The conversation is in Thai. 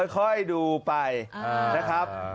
ค่อยดูไปนะครับ